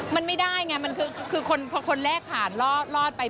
มันไม่ได้ไงมันคือพอคนแรกผ่านรอดไป